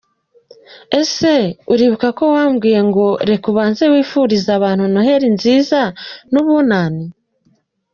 Ese uribuka ko wambwiye ngo reka ubanze wifurize abantu Noheli nziza n’ubunani ?